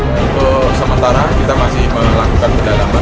untuk sementara kita masih melakukan pendalaman